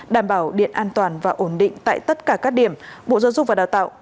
đảm bảo điện an toàn và ổn định tại tất cả các điểm bộ giáo dục và đào tạo